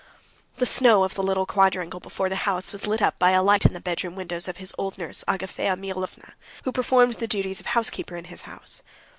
The snow of the little quadrangle before the house was lit up by a light in the bedroom windows of his old nurse, Agafea Mihalovna, who performed the duties of housekeeper in his house.